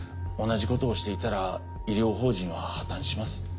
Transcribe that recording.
同じことをしていたら医療法人は破綻します。